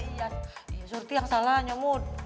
iya surti yang salah nyemut